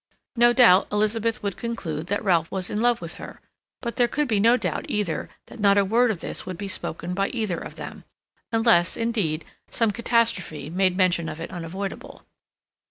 No doubt Elizabeth would conclude that Ralph was in love with her, but there could be no doubt either that not a word of this would be spoken by either of them, unless, indeed, some catastrophe made mention of it unavoidable.